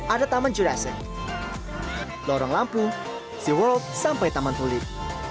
ada taman jurassic lorong lampung sea world sampai taman tulip